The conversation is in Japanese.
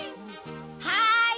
はい！